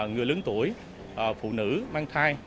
người lớn tuổi phụ nữ mang thai